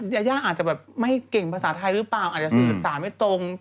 ยาย่าอาจจะแบบไม่เก่งภาษาไทยหรือเปล่าอาจจะสื่อสารไม่ตรง